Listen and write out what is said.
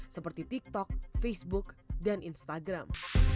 seperti tiktok facebook dan instagram